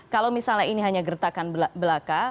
kalau misalnya ini hanya gertakan belaka